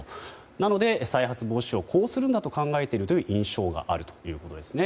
なので再発防止をこうするんだと考えているという印象があるということですね。